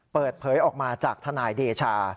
เปิดเผยออกมาจากทนายเดชา